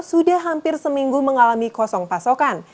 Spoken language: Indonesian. sudah hampir seminggu mengalami kosong pasokan